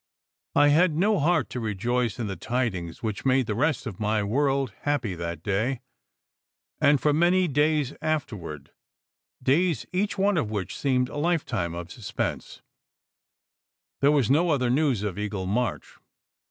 I had no heart to rejoice in the tidings which made the rest of my world happy that day. And for many days afterward days each one of which seemed a lifetime of suspense there was no other news of Eagle March.